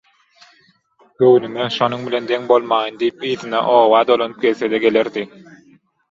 göwnüme «Şonuň bilen deň bolmaýyn» diýip yzyna, oba dolanyp gelse-de gelerdi.